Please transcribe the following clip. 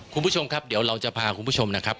คุณผู้ชมครับเดี๋ยวเราจะพาคุณผู้ชมนะครับ